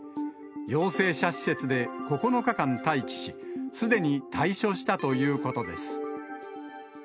陽性者施設で９日間待機し、すでに退所したということです。